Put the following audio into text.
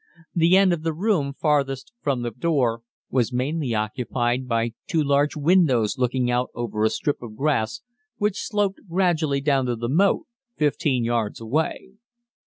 The end of the room farthest from the door was mainly occupied by two large windows looking out over a strip of grass which sloped gradually down to the moat, 15 yards away.